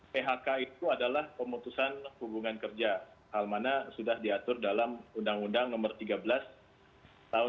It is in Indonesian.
phk itu adalah pemutusan hubungan kerja hal mana sudah diatur dalam undang undang nomor tiga belas tahun dua ribu dua